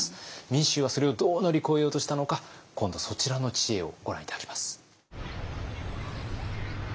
民衆はそれをどう乗り越えようとしたのか今度そちらの知恵をご覧頂きます。